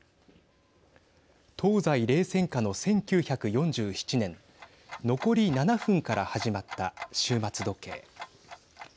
東西冷戦下の１９４７年残り７分から始まった終末時計。